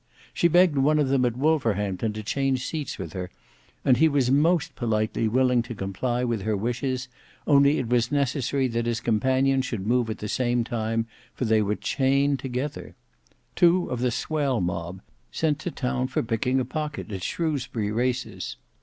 She begged one of them at Wolverhampton to change seats with her, and he was most politely willing to comply with her wishes, only it was necessary that his companion should move at the same time, for they were chained together! Two of the swell mob, sent to town for picking a pocket at Shrewsbury races."